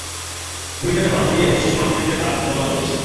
কুড়িগ্রামে বাল্য বিয়ে ও শিশু মাতৃত্বের হার তুলনামূলক বেশি।